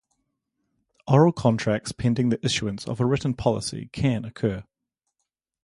Oral contracts pending the issuance of a written policy can occur.